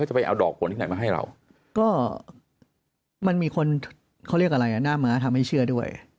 จะไปเอาดอกผลที่ไหนมาให้เราก็มันมีคนเขาเรียกอะไรอ่ะหน้าม้าทำให้เชื่อด้วย